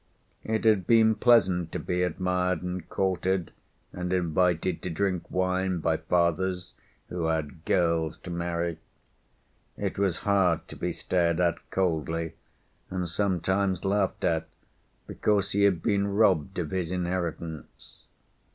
It had been pleasant to be admired and courted, and invited to drink wine by fathers who had girls to marry. It was hard to be stared at coldly, and sometimes laughed at because he had been robbed of his inheritance.